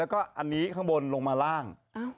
อันนี้ข้างบนลงมาล่าง